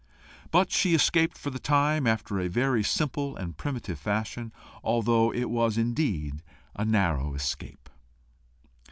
But she escaped for the time after a very simple and primitive fashion, although it was indeed a narrow escape.